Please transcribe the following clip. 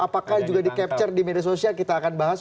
apakah juga di capture di media sosial kita akan bahas